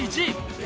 １位